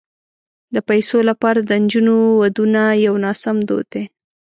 د پيسو لپاره د نجونو ودونه یو ناسم دود دی.